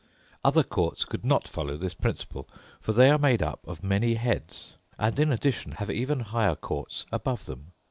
Other courts could not follow this principle, for they are made up of many heads and, in addition, have even higher courts above them.